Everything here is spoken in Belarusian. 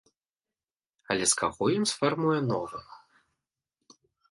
Але з каго ён сфарміруе новы?